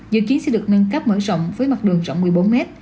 dự kiến sẽ được nâng cấp mở rộng với mặt đường rộng một mươi bốn mét